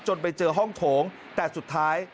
ไปเจอห้องโถงแต่สุดท้าย